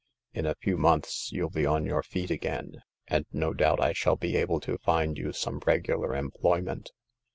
In a few months you'll be on your feet again, and no doubt I shall be able to find you some regular employment.